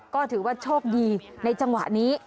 ก็ถือว่าโชคดีในจังหวะนี้